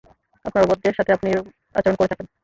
আপনার অবাধ্যের সাথে আপনি এরূপ আচরণই করে থাকেন।